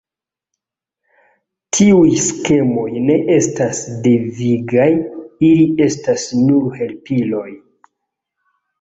Tiuj skemoj ne estas devigaj, ili estas nur helpiloj.